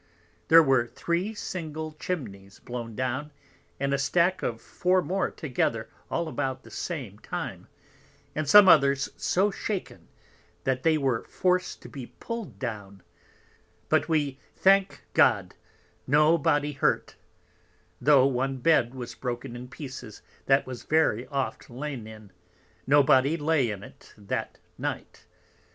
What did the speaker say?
There were 3 single Chimneys blown down, and a Stack of 4 more together, all about the same time; and some others so shaken, that they were forc'd to be pull'd down; but, we thank God, no body hurt, tho' one Bed was broken in pieces that was very oft lain in: no body lay in it that Night.